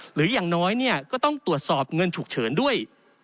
หรืออย่างน้อยเนี่ยก็ต้องตรวจสอบเงินฉุกเฉินด้วย